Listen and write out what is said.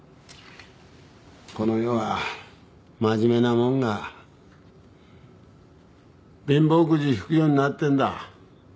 この世は真面目なもんが貧乏くじ引くようになってんだ。